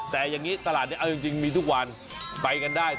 แต่อย่างนี้ตลาดนี้เอาจริงมีทุกวันไปกันได้